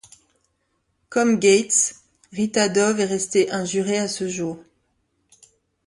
Comme Gates, Rita Dove est restée un juré à ce jour.